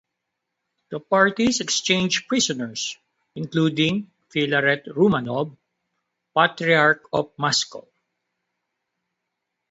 The parties exchanged prisoners, including Filaret Romanov, Patriarch of Moscow.